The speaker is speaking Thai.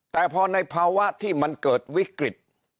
แต่พอในภาวะที่มันเกิดวิกฤต